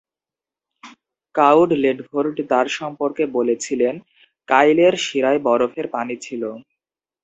Coward Ledford তার সম্পর্কে বলেছিলেন, কাইলের শিরায় বরফের পানি ছিল।